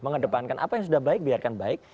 mengedepankan apa yang sudah baik biarkan baik